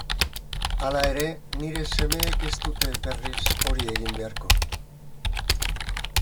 Hala ere, nire semeek ez dute berriz hori egin beharko.